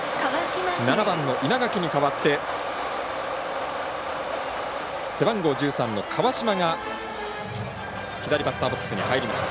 ７番、稲垣に代わって背番号１３の川島がバッターボックスに入りました。